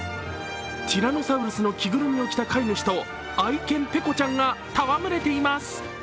ティラノサウルスの着ぐるみを着た飼い主と愛犬ペコちゃんが戯れています。